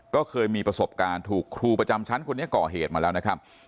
ก็เคยมีประสบการณ์ถูกครูประจำชั้นคนนี้ก่อเหตุมาแล้วนะครับ